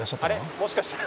もしかしたら。